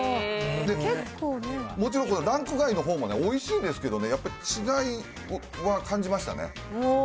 もちろんこのランク外のほうもおいしいですけどね、やっぱり違いは感じましたね。